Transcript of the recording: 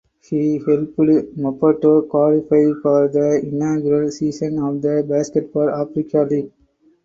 He helped Maputo qualify for the inaugural season of the Basketball Africa League.